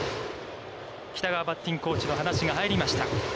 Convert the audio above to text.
北川バッティングコーチの話が入りました。